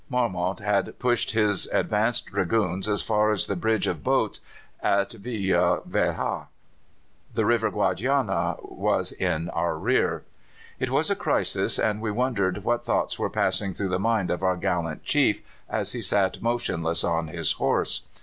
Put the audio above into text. Marmont had pushed his advanced Dragoons as far as the bridge of boats at Villa Velha; the river Guadiana was in our rear. "It was a crisis, and we wondered what thoughts were passing through the mind of our gallant chief as he sat motionless on his horse.